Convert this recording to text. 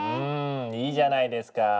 うんいいじゃないですか。